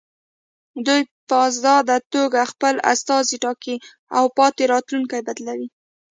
دوی په ازاده توګه خپل استازي ټاکي او پاتې راتلونکي بدلوي.